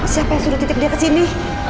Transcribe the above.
siapa yang sudah titip dia ke sini